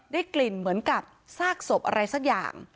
ได้กลิ่นเหมือนกับซากศพอะไรสักอย่าง